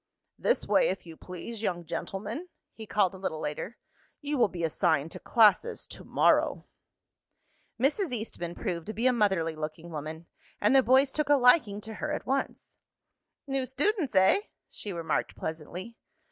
"This way, if you please, young gentlemen," he called a little later. "You will be assigned to classes to morrow." Mrs. Eastman proved to be a motherly looking woman, and the boys took a liking to her at once. "New students, eh?" she remarked pleasantly.